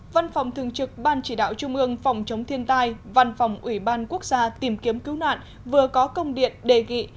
văn phòng thường trực ban chỉ đạo trung ương phòng chống thiên tai văn phòng ủy ban quốc gia tìm kiếm cứu nạn vừa có công điện đề nghị